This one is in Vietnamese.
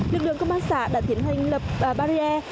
lực lượng công an xã đã tiến hành lập barrier